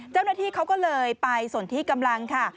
เจ้าหน้าที่เขาก็เลยไปสนที่กำลังค่ะ